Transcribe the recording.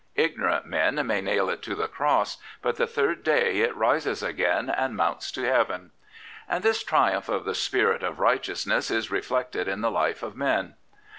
Ignorant men may nail it to the Cros^, but the third day it rises again and mounts to heaven/' And this triumph of the spirit of righteousness is reflected in the life of men.